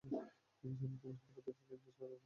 যেন তোমার সাথে প্রতিটা মিনিট স্মরণীয় করে রাখতে পারি।